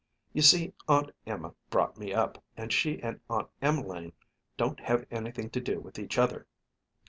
You see, Aunt Emma brought me up, and she and Aunt Em'line don't have anything to do with each other.